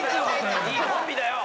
・いいコンビだよ！